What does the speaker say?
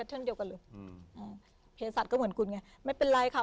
เช่นเดียวกันเลยอืมอ่าเพศสัตว์ก็เหมือนคุณไงไม่เป็นไรค่ะ